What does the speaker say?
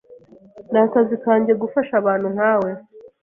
Nakazi kanjye gufasha abantu nkawe.